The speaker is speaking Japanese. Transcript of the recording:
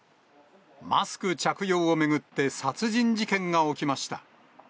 マスク着用を巡って殺人事件が起きました。